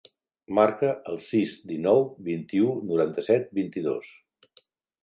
Marca el sis, dinou, vint-i-u, noranta-set, vint-i-dos.